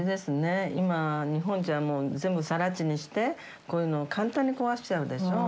今日本じゃ全部さら地にしてこういうの簡単に壊しちゃうでしょう？